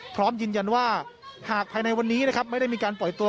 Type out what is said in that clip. พร้อมยืนยันว่าหากภายในวันนี้นะครับไม่ได้มีการปล่อยตัว